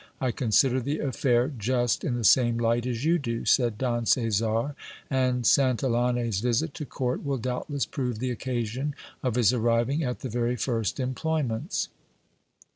I consider the affair just in the same light as you do, said Don Caesar ; and San tillane's visit to court will doubtless prove the occasion of his arriving at the very first employments.